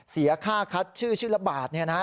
เสียค่าคัดชื่อชื่อละบาทเนี่ยนะ